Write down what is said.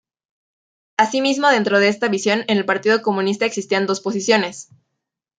Asimismo dentro de esta visión en el Partido Comunista existían dos posiciones.